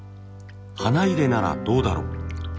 花入れならどうだろう。